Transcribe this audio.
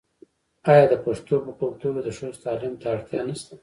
آیا د پښتنو په کلتور کې د ښځو تعلیم ته اړتیا نشته؟